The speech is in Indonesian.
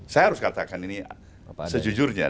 saya harus katakan ini sejujurnya